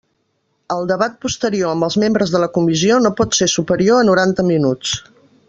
El debat posterior amb els membres de la comissió no pot ser superior a noranta minuts.